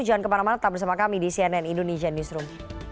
jangan kemana mana tetap bersama kami di cnn indonesia newsroom